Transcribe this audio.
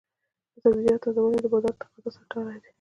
د سبزیجاتو تازه والی د بازار د تقاضا سره تړلی دی.